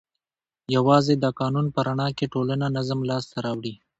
یوازې د قانون په رڼا کې ټولنه نظم لاس ته راوړي.